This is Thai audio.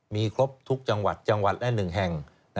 มีครบทุกจังหวัดจังหวัดแน่นหนึ่งแห่ง